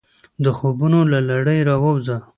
د خوبونو له نړۍ راووځه !